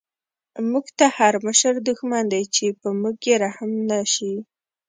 موږ ته هر مشر دشمن دی، چی په موږ یې رحم نه شی